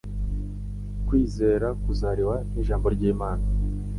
Kwizera kuzariwa n'Ijambo ry'Imana.